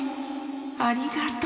ありがとう。